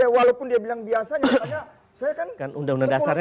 walaupun dia bilang biasanya